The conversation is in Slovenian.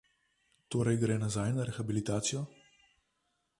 Torej gre nazaj na rehabilitacijo?